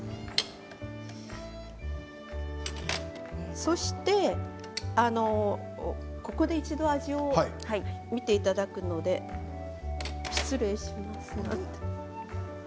そして、ここで、あんの味を見ていただくので失礼します。